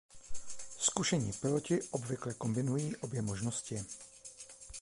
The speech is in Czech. Zkušení piloti obvykle kombinují obě možnosti.